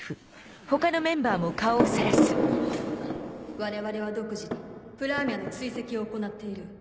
我々は独自にプラーミャの追跡を行っている。